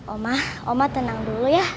oma oma tenang dulu ya